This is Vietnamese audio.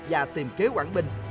cách hai phán đoán sự diệp